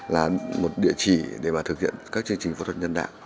là một địa chỉ để mà thực hiện các chương trình phẫu thuật nhân đạo